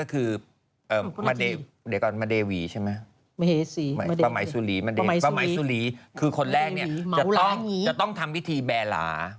คือคนแรกจะต้องเข้าทางพิธีแบรา